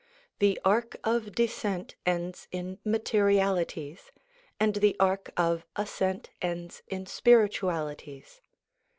2 The arc of descent ends in materialities, and the arc of ascent ends in spiritualities.